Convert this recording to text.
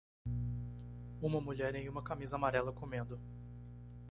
Uma mulher em uma camisa amarela comendo.